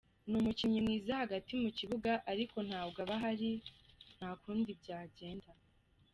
” Ni umukinnyi mwiza hagati mu kibuga ariko ntabwo ahari, nta kundi byagenda.